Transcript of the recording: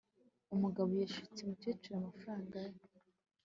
umugabo yashutse umukecuru amafaranga ye